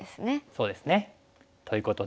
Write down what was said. そうですね。ということで。